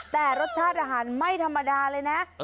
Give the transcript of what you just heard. แต่รสชาติอาหารไม่ธรรมดาเลยนะ